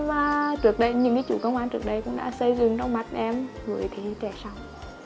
và những cái chủ công an trước đây cũng đã xây dựng trong mặt em với cái trẻ sống